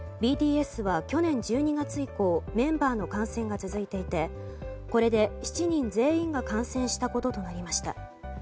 ＢＴＳは去年１２月以降メンバーの感染が続いていてこれで７人全員が感染したこととなりました。